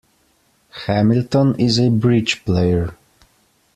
Hamilton is a bridge player.